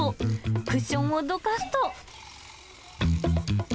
クッションをどかすと。